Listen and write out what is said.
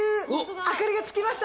明かりがつきました。